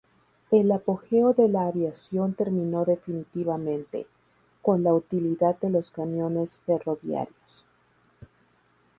El apogeo de la aviación terminó definitivamente con la utilidad de los cañones ferroviarios.